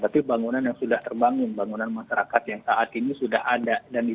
tapi bangunan yang sudah terbangun bangunan masyarakat yang saat ini sudah ada